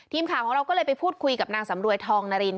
ทีมข่าวของเราก็เลยไปพูดคุยกับนางสำรวยทองนาริน